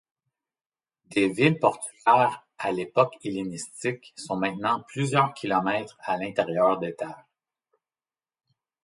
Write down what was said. Des villes portuaires à l'époque hellénistique sont maintenant plusieurs kilomètres à l'intérieur des terres.